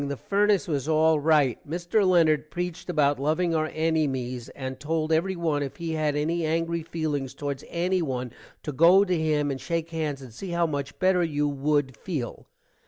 the fernace was all write. Mister Lennard preeched about loving our ennymies, and told every one if he had any angry feelings towards ennyone to go to him and shake hands and see how much better you wood feel.